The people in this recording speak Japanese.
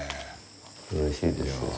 うれしいです。